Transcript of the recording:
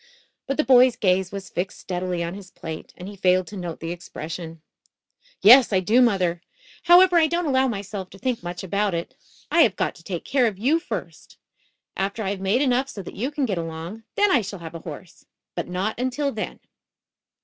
But the boy's gaze was fixed steadily on his plate and he failed to note the expression. "Yes, I do, mother. However, I don't allow myself to think much about it. I have got to take care of you, first. After I have made enough so that you can get along, then I shall have a horse. But not until then."